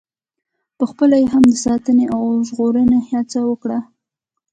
پخپله یې هم د ساتنې او ژغورنې هڅه وکړي.